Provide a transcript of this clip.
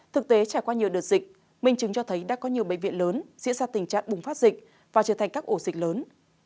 thực tế trải qua nhiều đợt dịch minh chứng cho thấy đã có nhiều bệnh viện lớn diễn ra tình trạng bùng phát dịch và trở thành các ổ dịch lớn